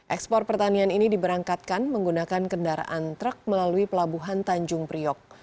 ekspor pertanian ini diberangkatkan menggunakan kendaraan truk melalui pelabuhan tanjung priok